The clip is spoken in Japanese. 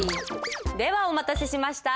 ではお待たせしました。